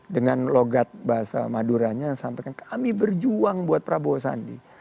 dengan logat bahasa maduranya yang sampaikan kami berjuang buat prabowo sandi